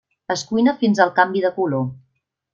Es cuina fins al canvi de color.